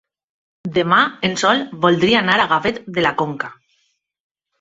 Demà en Sol voldria anar a Gavet de la Conca.